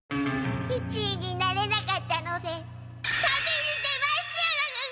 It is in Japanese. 一位になれなかったので旅に出ます！